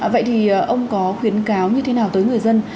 vậy thì ông có khuyến cáo như thế nào tới người dân